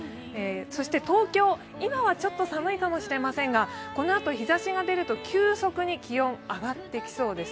そして東京、今はちょっと寒いかもしれませんがこのあと日ざしが出ると急速に気温、上がってきそうです。